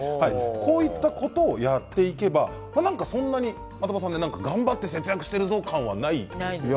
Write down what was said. こういうことを、やっていけばそんなに頑張って節約しているとかはないですね。